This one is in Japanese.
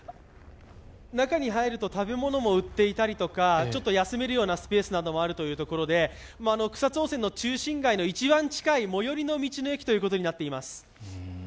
中に入ると食べ物も売っていたりとか、ちょっと休めるようなスペースもあるということで草津温泉の中心街の一番近い最寄りの道の駅となっています。